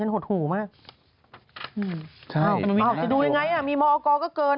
จะดูยังไงมีมอแหบเกิน